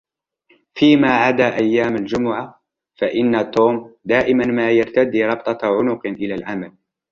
فيما عدا أيام الجمعة ، فإن توم دائماً ما يرتدي ربطة عنقٍ إلى العمل.